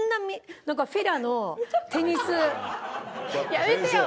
やめてよ！